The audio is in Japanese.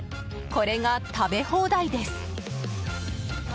これが食べ放題です。